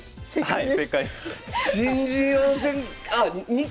はい。